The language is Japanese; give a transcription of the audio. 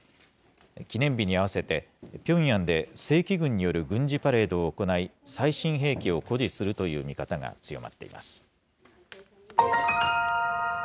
記念日に合わせて、ピョンヤンで正規軍による軍事パレードを行い、最新兵器を誇示するという見方が強まっています。